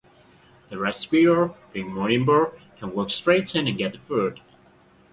The red squirrel, being more nimble, can walk straight in and get the food.